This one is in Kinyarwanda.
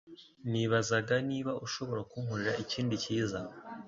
Nibazaga niba ushobora kunkorera ikindi cyiza